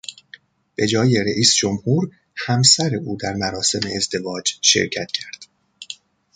به جای رئیس جمهور همسر او در مراسم ازدواج شرکت کرد.